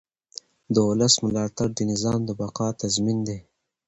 د ولس ملاتړ د نظام د بقا تضمین دی